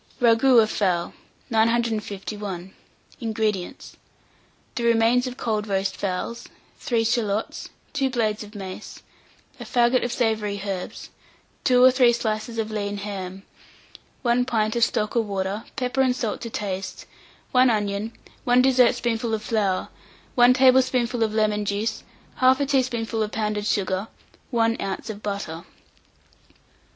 RAGOUT OF FOWL. 951. INGREDIENTS. The remains of cold roast fowls, 3 shalots, 2 blades of mace, a faggot of savoury herbs, 2 or three slices of lean ham, 1 pint of stock or water, pepper and salt to taste, 1 onion, 1 dessertspoonful of flour, 1 tablespoonful of lemon juice, 1/2 teaspoonful of pounded sugar, 1 oz. of butter.